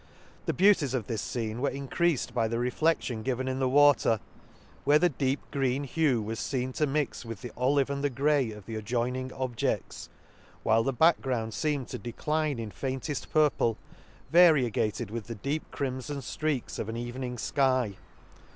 — The beauties of this fcene were encreafed by the reflection given in the water, where the deep green hue was {hen to mix with the olive and the grey of the adjoining objedts ; whilfl the back ground feemed to decline in fainteft purple, variegated with the deep crimfon flreaks of an even ing fky.